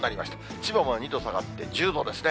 千葉も２度下がって１０度ですね。